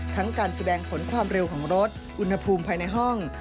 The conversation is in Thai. การแสดงผลความเร็วของรถอุณหภูมิภายในห้อง